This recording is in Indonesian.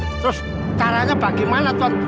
terus caranya bagaimana tuanku